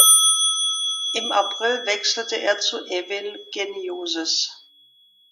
Im April wechselte er zu Evil Geniuses.